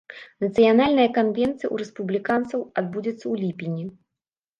Нацыянальная канвенцыя ў рэспубліканцаў адбудзецца ў ліпені.